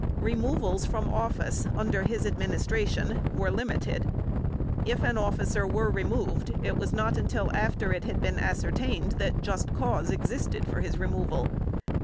Removals from office under his administration were limited. If an officer were removed, it was not until after it had been ascertained that just cause existed for the removal.